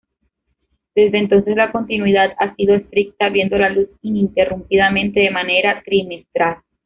Desde entonces la continuidad ha sido estricta, viendo la luz ininterrumpidamente de manera trimestral.